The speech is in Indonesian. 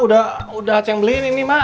udah acing beliin ini mak